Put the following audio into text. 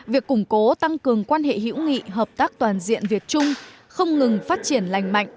việc củng cố tăng cường quan hệ hữu nghị hợp tác toàn diện việt trung không ngừng phát triển lành mạnh